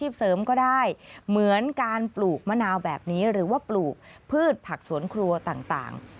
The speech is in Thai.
แบบนี้หรือว่าปลูกพืชผักสวนครัวต่าง